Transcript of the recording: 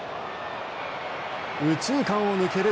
右中間を抜ける